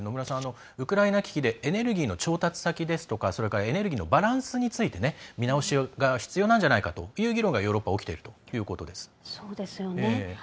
ウクライナ危機でエネルギーの調達先ですとかそれからエネルギーのバランスについて見直しが必要なんじゃないかという議論がヨーロッパでは起きているということなんです。